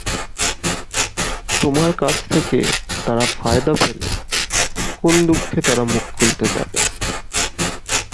তোমার কাছ থেকে তারা ফায়দা পেলে, কোন দুঃখে তাঁরা মুখ খুলতে যাবে?